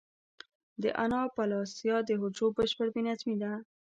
د اناپلاسیا د حجرو بشپړ بې نظمي ده.